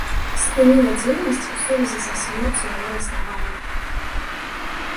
Спыніла дзейнасць у сувязі са смерцю яго заснавальніка.